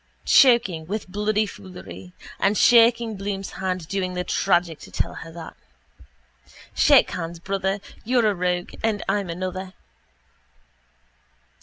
Choking with bloody foolery. And shaking Bloom's hand doing the tragic to tell her that. Shake hands, brother. You're a rogue and I'm another.